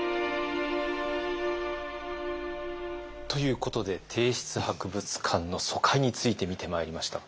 ということで帝室博物館の疎開について見てまいりました。